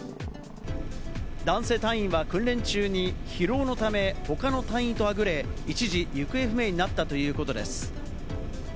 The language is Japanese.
男性隊員は訓練中に疲労のため、他の隊員とはぐれ、一時、行方不明になったということです。